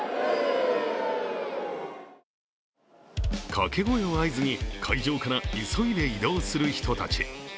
かけ声を合図に会場から急いで移動する人たち。